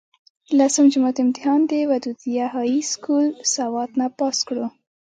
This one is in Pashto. د لسم جمات امتحان د ودوديه هائي سکول سوات نه پاس کړو